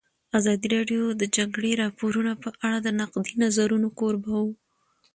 ازادي راډیو د د جګړې راپورونه په اړه د نقدي نظرونو کوربه وه.